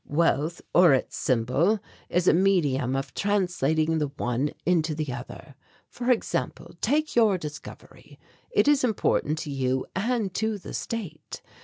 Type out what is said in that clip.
Wealth, or its symbol, is a medium of translating the one into the other. For example, take your discovery; it is important to you and to the state.